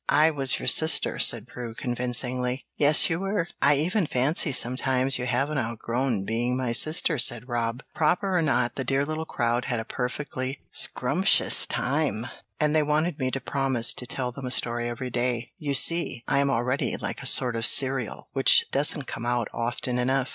"I was your sister," said Prue, convincingly. "Yes, you were; I even fancy sometimes you haven't outgrown being my sister," said Rob. "Proper or not, the dear little crowd had a perfectly scrumptious time, and they wanted me to promise to tell them a story every day. You see, I'm already like a sort of serial, which doesn't come out often enough.